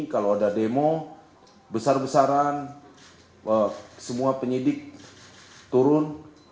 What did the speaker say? kalau ada demo besar besaran semua penyidik turun